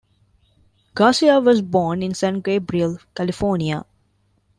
Garcia was born in San Gabriel, California.